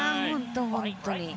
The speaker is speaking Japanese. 本当に。